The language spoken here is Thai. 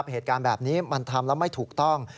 เหตุการณ์แบบนี้มันทำแล้วไม่ถูกต้อง